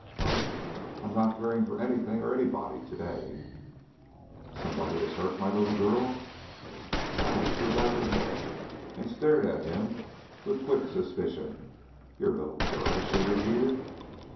"Humph! I'm not caring for anything or anybody to day." "Somebody has hurt my little girl." Allie threw back her head and stared at him with quick suspicion. "Your little girl?" she repeated.